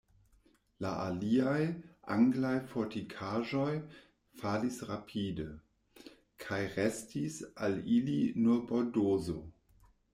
La aliaj anglaj fortikaĵoj falis rapide, kaj restis al ili nur Bordozo.